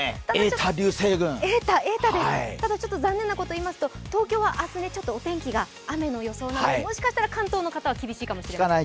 ただ、ちょっと残念なことを言いますと東京は明日、お天気が雨の予想なのでもしかしたら関東の方は厳しいかもしれない。